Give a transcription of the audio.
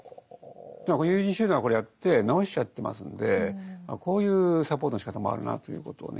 でも友人集団はこれをやって治しちゃってますのでこういうサポートのしかたもあるなということをね